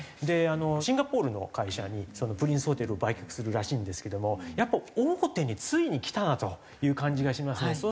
でシンガポールの会社にプリンスホテルを売却するらしいんですけどもやっぱ大手についにきたなという感じがしますね。